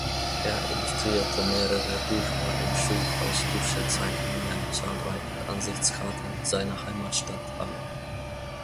Er illustrierte mehrere Bücher und schuf als Tuschezeichnungen zahlreiche Ansichtskarten seiner Heimatstadt Halle.